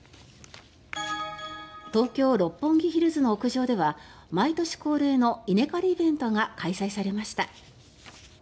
東京・六本木ヒルズの屋上では毎年恒例の稲刈りイベントが開催されました。